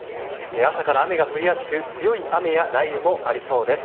朝から雨が降りやすく強い雨や雷雨がありそうです。